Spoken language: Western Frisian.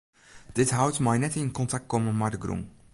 Dit hout mei net yn kontakt komme mei de grûn.